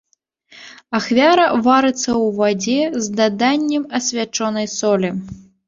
Ахвяра варыцца ў вадзе, з даданнем асвячонай солі.